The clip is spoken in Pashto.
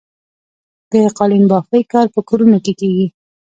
د قالینبافۍ کار په کورونو کې کیږي؟